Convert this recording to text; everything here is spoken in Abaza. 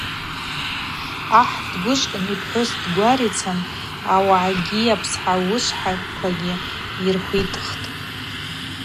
Ахӏ дгвыжвкӏтӏ, йпхӏвыс дгварицан ауагӏагьи апсауышвхӏаквагьи йырхвитхтӏ.